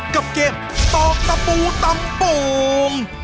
กับเกมตอกตะปูตำโป่ง